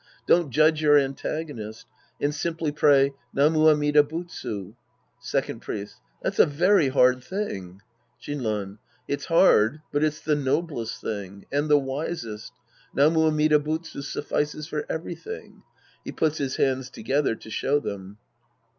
Don't judge your antagonist. And simply pray, " Namu Amida Butsu." Second Priest. That's a very hard thing. Shinran. It's hard, but it's the noblest thing. And the wisest. " Namu Amida Butsu " suffices for everything. {He puts his hands together to show them.)